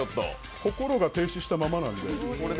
心が停止したままなんで。